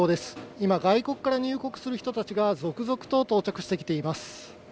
今、外国から入国する人たちが続々と到着してきています。